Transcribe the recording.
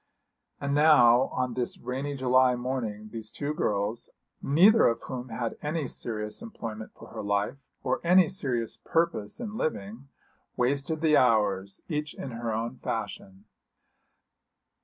And now on this rainy July morning these two girls, neither of whom had any serious employment for her life, or any serious purpose in living, wasted the hours, each in her own fashion.